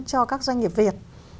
cho các doanh nghiệp việt